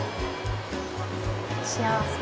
幸せ。